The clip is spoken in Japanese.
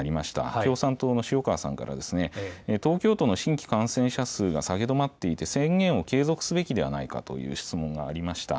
共産党の塩川さんから、東京都の新規感染者数が下げ止まっていて、宣言を継続すべきではないかという質問がありました。